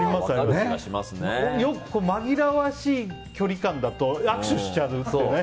よく、紛らわしい距離感だと握手しちゃうっていうね。